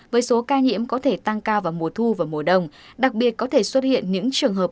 với số ca nhiễm có thể tăng cao vào mùa thu và mùa đông đặc biệt có thể xuất hiện những trường hợp